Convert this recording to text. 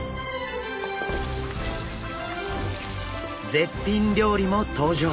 絶品料理も登場！